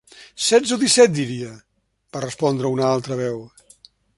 "Setze o disset, diria", va respondre una altra veu.